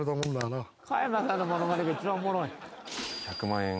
１００万円